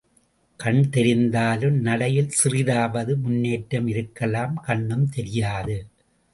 கண் தெரிந்தாலும் நடையில் சிறிதாவது முன்னேற்றம் இருக்கலாம் கண்ணும் தெரியாது.